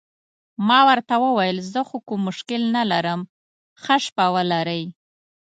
ما ورته وویل: زه خو کوم مشکل نه لرم، ښه شپه ولرئ.